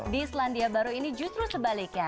di selandia baru ini justru sebaliknya